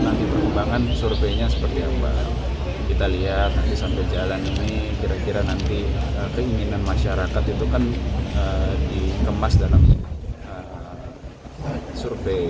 nanti sampai jalan ini kira kira nanti keinginan masyarakat itu kan dikemas dalam survei